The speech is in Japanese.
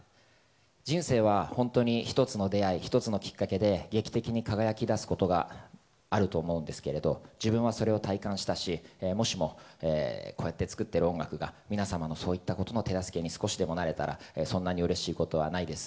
人生は本当に一つの出会い、一つのきっかけで劇的に輝き出すことがあると思うんですけれども、自分はそれを体感したし、もしも、これって作ってる音楽が皆様のそういったことの手助けになれたら、そんな嬉しいことはないです。